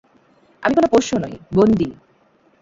আমি কোনো পোষ্য নই, বন্দী।